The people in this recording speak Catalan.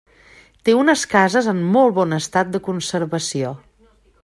Té unes cases en molt bon estat de conservació.